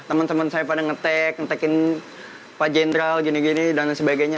teman teman saya pada nge tag nge tag in pak jendral gini gini dan sebagainya